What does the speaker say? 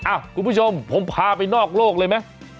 อ่ะคุณผู้ชมผมพาไปนอกโรคเลยมั้ย